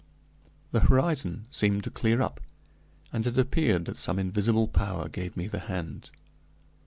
The horizon seemed to clear up, and it appeared that some invisible power gave me the hand.